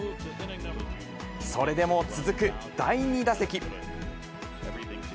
それでも続く第２打席。